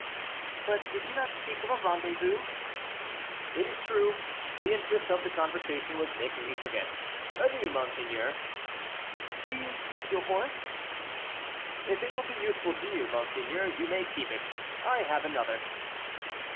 "But did you not speak of a rendezvous?" "It is true; the interest of the conversation was making me forget. Adieu, monseigneur." "Do you take your horse?" "If it will be useful to you, monseigneur, you may keep it, I have another."